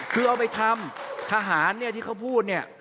คือเอาไปทำทหารเนี่ยที่เขาพูดเนี่ย